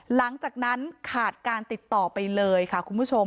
หลังจากนั้นขาดการติดต่อไปเลยค่ะคุณผู้ชม